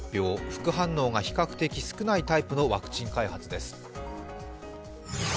副反応が比較的少ないタイプのワクチン開発です。